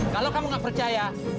kalau kamu gak percaya